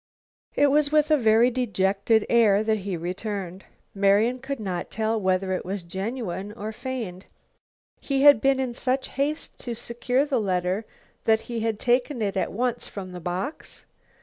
It was with a very dejected air that he returned. Marian could not tell whether it was genuine or feigned. Had he been in such haste to secure the letter that he had taken it at once from the box?